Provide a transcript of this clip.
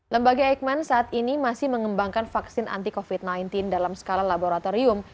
lembaga eijkman saat ini masih mengembangkan vaksin anti covid sembilan belas dalam skala laboratorium